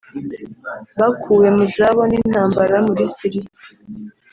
bakuwe mu zabo n'intambara muri Syria